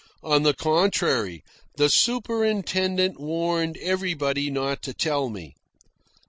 On the contrary, the superintendent warned everybody not to tell me.